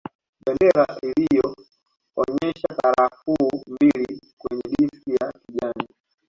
Bendera iliyoonyesha karafuu mbili kwenye diski ya kijani